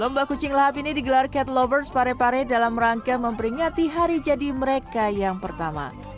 lomba kucing lahap ini digelar cat lovers parepare dalam rangka memperingati hari jadi mereka yang pertama